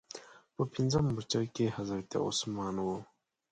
په پنځم مورچل کې حضرت عثمان و.